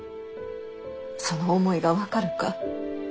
その思いが分かるか？